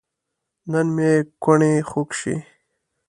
نن مې کوڼۍ خوږ شي